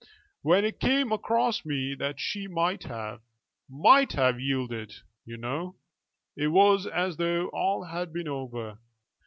When it came across me that she might have might have yielded, you know, it was as though all had been over.